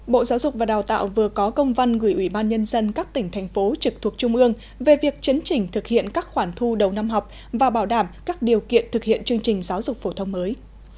bộ giáo dục và đào tạo vừa có công văn gửi ủy ban nhân dân các tỉnh thành phố trực thuộc trung ương về việc chấn chỉnh thực hiện các khoản thu đầu năm học và bảo đảm các điều kiện thực hiện chương trình giáo dục phổ thông mới